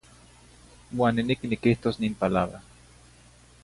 Uan niniqui niquihtos nin palabra.